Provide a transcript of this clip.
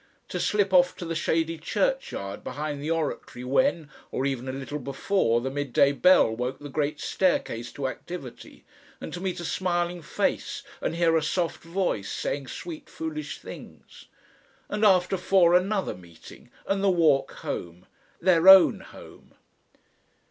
To slip off to the shady churchyard behind the Oratory when, or even a little before, the midday bell woke the great staircase to activity, and to meet a smiling face and hear a soft, voice saying sweet foolish things! And after four another meeting and the walk home their own home.